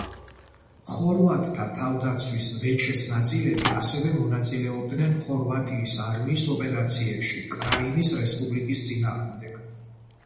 ხორვატთა თავდაცვის ვეჩეს ნაწილები ასევე მონაწილეობდნენ ხორვატიის არმიის ოპერაციებში კრაინის რესპუბლიკის წინააღმდეგ.